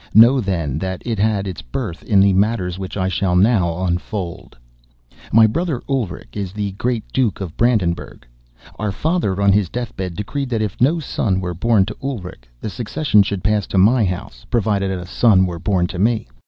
Know, then, that it had its birth in the matters which I shall now unfold. My brother Ulrich is the great Duke of Brandenburgh. Our father, on his deathbed, decreed that if no son were born to Ulrich, the succession should pass to my house, provided a son were born to me.